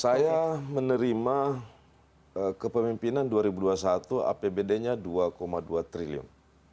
saya menerima kepemimpinan dua ribu dua puluh satu apbd nya dua dua triliun